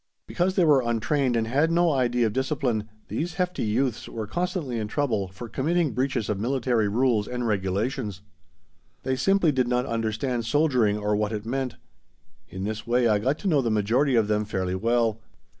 Because they were untrained and had no idea of discipline, these hefty youths were constantly in trouble for committing breaches of military rules and regulations. They simply did not understand soldiering or what it meant. In this way I got to know the majority of them fairly well.